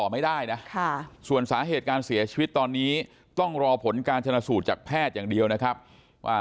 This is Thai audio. เมื่อวานเมื่อวานเท่าไร๑๔มีธา